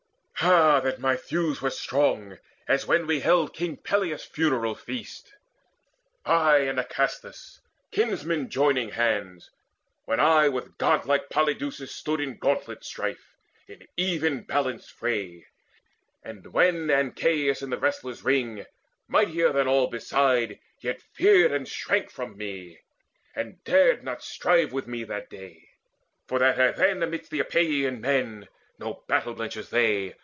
Ah that my thews were strong As when we held King Pelias' funeral feast, I and Acastus, kinsmen joining hands, When I with godlike Polydeuces stood In gauntlet strife, in even balanced fray, And when Ancaeus in the wrestlers' ring Mightier than all beside, yet feared and shrank From me, and dared not strive with me that day, For that ere then amidst the Epeian men No battle blenchers they!